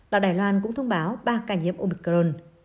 đảo đài loan cũng thông báo ba ca nhiễm omicron